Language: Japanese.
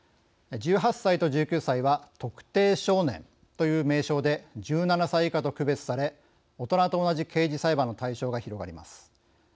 １８歳と１９歳は特定少年という名称で１７歳以下と区別され大人と同じ刑事裁判の対象が広がります。